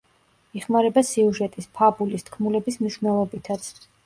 იხმარება სიუჟეტის, ფაბულის, თქმულების მნიშვნელობითაც.